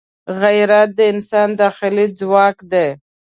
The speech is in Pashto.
غیرت د انسان داخلي ځواک دی